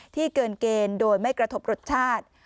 เกินเกณฑ์โดยไม่กระทบรสชาติ